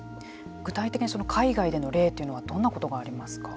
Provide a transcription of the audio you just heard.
具体的にその海外での例というのはどんなことがありますか？